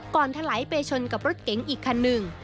ถลายไปชนกับรถเก๋งอีกคันหนึ่ง